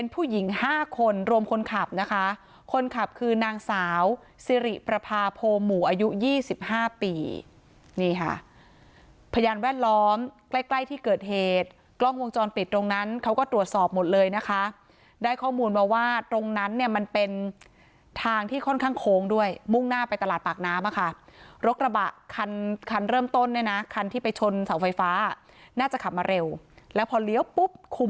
ปริปรภาโพหมู่อายุยี่สิบห้าปีนี่ค่ะพยานแวดล้อมใกล้ใกล้ที่เกิดเหตุกล้องวงจรปิดตรงนั้นเขาก็ตรวจสอบหมดเลยนะคะได้ข้อมูลมาว่าตรงนั้นเนี่ยมันเป็นทางที่ค่อนข้างโค้งด้วยมุ่งหน้าไปตลาดปากน้ำอะค่ะรถกระบะคันคันเริ่มต้นเนี่ยนะคันที่ไปชนเสาไฟฟ้าน่าจะขับมาเร็วแล้วพอเลี้ยวปุ๊บค